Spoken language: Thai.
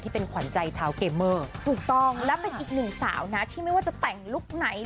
เป็นขวัญใจชาวเกมเมอร์ถูกต้องและเป็นอีกหนึ่งสาวนะที่ไม่ว่าจะแต่งลุคไหน